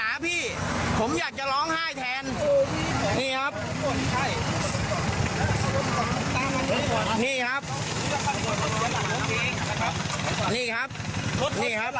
ด้วยน้ำอันอาจที่เอ่มมงกันนะและกุ้นยาเตอร์